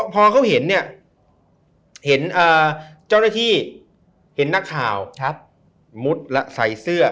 พอเขาเห็นเนี่ยเห็นเจ้าหน้าที่เห็นนักข่าวมุดและใส่เสื้อ